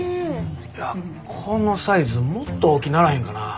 いやこのサイズもっと大きならへんかな？